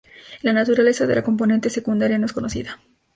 La naturaleza de la componente secundaria no es conocida.